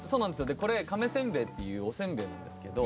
これ亀せんべいっていうおせんべいなんですけど。